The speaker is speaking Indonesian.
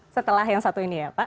setelah yang satu ini ya pak